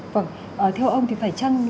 vâng theo ông thì phải chăng